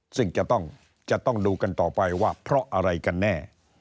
ซึ่งจะต้องดูกันต่อไปว่าเพราะอะไรกันแน่